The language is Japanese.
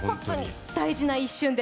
大事な一瞬で。